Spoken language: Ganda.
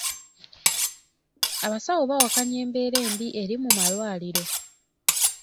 Abasawo bawakanya embeera embi eri mu malwaliro.